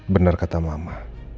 benar kata mama